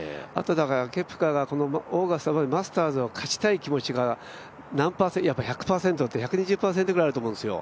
ケプカがマスターズを勝ちたい気持ちが１００％、１２０％ぐらいあると思うんですよ。